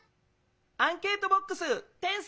アンケートボックス転送！